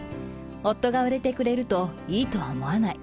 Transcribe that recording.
夫が売れてくれるといいとは思わない。